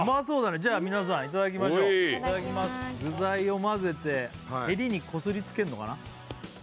じゃあ皆さんいただきましょういただきます具材を混ぜてヘリにこすりつけんのかな？